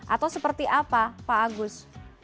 atau seperti apa pak agus